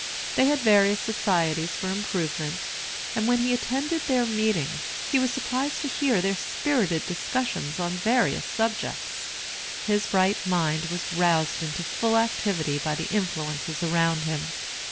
They had various societies for improvement; and when he attended their meetings, he was surprised to hear their spirited discussions on various subjects. His bright mind was roused into full activity by the influences around him.